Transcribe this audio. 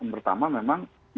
pertama memang menegakkan aturan